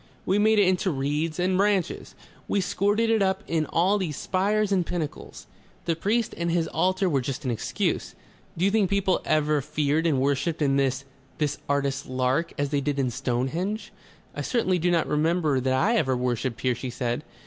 We made it into reeds and branches. We squirted it up in all these spires and pinnacles. The priest and his altar were just an excuse. Do you think people have ever feared and worshipped in this this artist's lark as they did in Stonehenge?" "I certainly do not remember that I ever worshipped here," she said.